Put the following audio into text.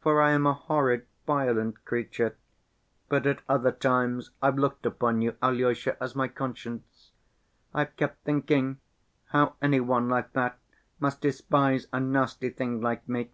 For I am a horrid, violent creature. But at other times I've looked upon you, Alyosha, as my conscience. I've kept thinking 'how any one like that must despise a nasty thing like me.